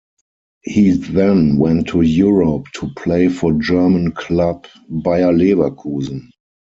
He then went to Europe to play for German club Bayer Leverkusen.